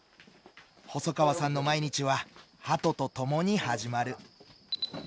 細川さんの毎日はハトと共に始まる。